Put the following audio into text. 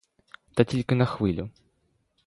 Та тільки на хвилю.